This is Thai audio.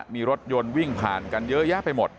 มีรถยนต์วิ่งผ่านกันเยอะแยะไปหมด